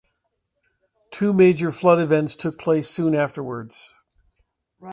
Two major flood events took place soon afterwards.